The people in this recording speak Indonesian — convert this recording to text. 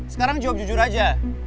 sekarang jawab jujur aja